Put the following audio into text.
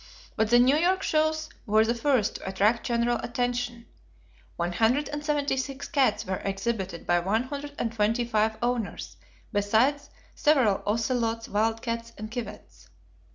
But the New York shows were the first to attract general attention. One hundred and seventy six cats were exhibited by one hundred and twenty five owners, besides several ocelots, wild cats, and civets.